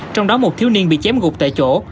trong đó một thiếu niên bị chém gục tại chỗ